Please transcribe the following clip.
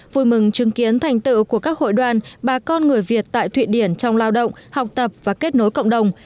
vui mừng chứng kiến thành tựu của các hội đoàn bà con người việt tại thụy điển trong lao động học tập và kết nối cộng đồng